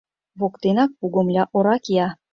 Воктенак пугомля ора кия.